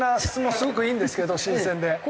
すごくいいんですけど新鮮で。